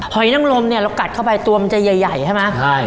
อยนังลมเนี่ยเรากัดเข้าไปตัวมันจะใหญ่ใช่ไหมใช่